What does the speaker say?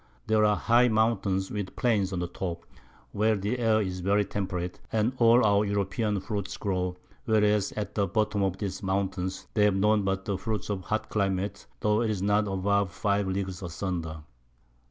There are high Mountains, with Plains on the Top, where the Air is very temperate, and all our European Fruits grow; whereas at the Bottom of these Mountains they have none but the Fruits of hot Climates, tho' 'tis not above 5 Leagues asunder.